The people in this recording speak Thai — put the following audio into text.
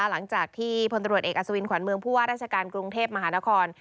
หลังจากที่พลตรวจเอกอัศวินขวัญเมืองผู้ว่าราชการกรุงเทพมหานคร